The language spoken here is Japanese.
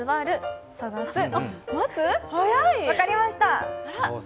分かりました。